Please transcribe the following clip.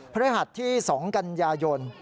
ฤหัสที่๒กันยายน